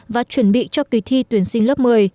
và chuẩn bị cho kỳ thi tuyển sinh lớp một mươi